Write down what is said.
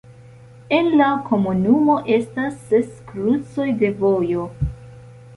En la komunumo estas ses krucoj de vojo.